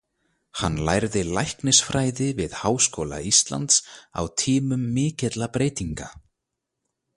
Hann lærði læknisfræði við Háskóla Íslands á tímum mikilla breytinga.